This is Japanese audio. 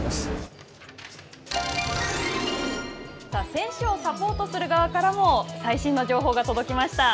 選手をサポートする側からも最新の情報が届きました。